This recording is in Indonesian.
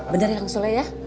bener kang sule ya